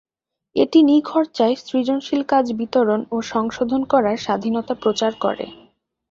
এটি নিখরচায় সৃজনশীল কাজ বিতরণ ও সংশোধন করার স্বাধীনতা প্রচার করে।